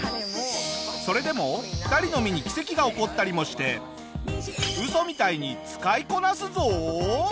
それでも２人の身に奇跡が起こったりもして嘘みたいに使いこなすぞ。